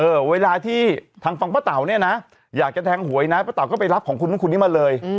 เวลาที่ทางฝั่งป้าเต๋าเนี่ยนะอยากจะแทงหวยนะป้าเต๋ก็ไปรับของคุณนู้นคนนี้มาเลย